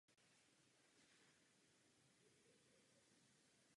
V následujících volbách získala Konzervativní strana parlamentní většinu.